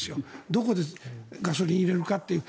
どこでガソリン入れるかという。